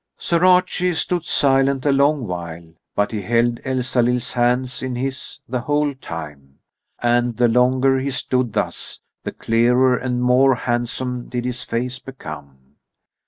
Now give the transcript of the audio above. Sir Archie stood silent a long while, but he held Elsalill's hands in his the whole time. And the longer he stood thus, the clearer and more handsome did his face become.